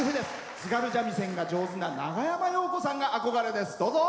津軽三味線が上手な長山洋子さんが憧れです。